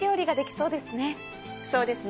そうですね。